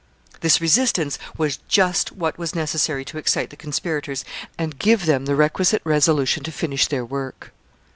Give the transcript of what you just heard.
] This resistance was just what was necessary to excite the conspirators, and give them the requisite resolution to finish their work.